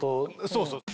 そうそう。